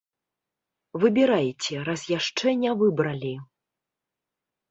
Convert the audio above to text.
Выбірайце, раз яшчэ не выбралі.